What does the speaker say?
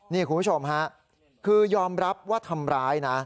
นี่คุณผู้ชมฮะคือยอมรับว่าทำร้ายนะ